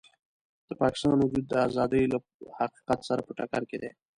د پاکستان وجود د ازادۍ له حقیقت سره په ټکر کې دی.